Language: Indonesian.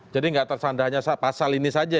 jadi tidak tersandanya pasal ini saja ya